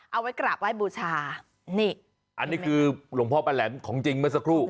เอาไว้กราบไหว้บูชานี่อันนี้คือหลวงพ่อป้าแหลมของจริงเมื่อสักครู่